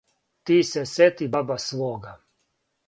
Ти се сети баба свога,